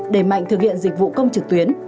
đề mạnh thực hiện dịch vụ công trực tuyến